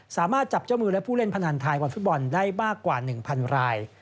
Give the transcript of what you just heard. สามารถจับเจ้ามือและผู้เล่นพนันไทยวันฟุตบอลได้มากกว่า๑๐๐ราย